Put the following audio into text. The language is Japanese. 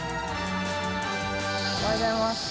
おはようございます。